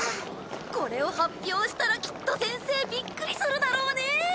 これを発表したらきっと先生びっくりするだろうねえ。